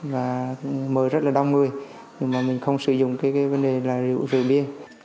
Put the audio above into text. và mời rất là đông người nhưng mà mình không sử dụng cái vấn đề là rượu bia